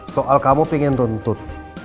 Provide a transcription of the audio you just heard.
soal kamu pingin tuntut